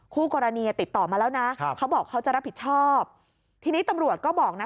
คู่กรณีติดต่อมาแล้วนะเขาบอกเขาจะรับผิดชอบทีนี้ตำรวจก็บอกนะ